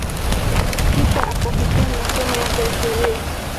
kisha akahitimu masomo yake ya sheria